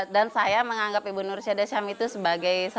dan saya menganggap ibu nursi dasham itu sebagai sosok